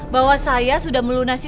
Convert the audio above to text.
bahwa saya sudah melunasi